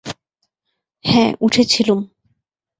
হাঁ, উঠেছিলুম।